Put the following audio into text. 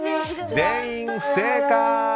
全員不正解。